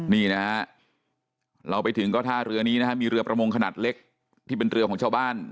นี่นะฮะเราไปถึงก็ท่าเรือนี้นะฮะมีเรือประมงขนาดเล็กที่เป็นเรือของชาวบ้าน